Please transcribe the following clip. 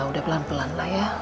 udah pelan pelan lah ya